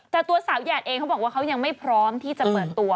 แต่ตัวสาวแหยดเองเขาบอกว่าเขายังไม่พร้อมที่จะเปิดตัว